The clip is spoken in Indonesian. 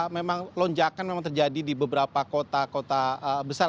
memang lonjakan memang terjadi di beberapa kota kota besar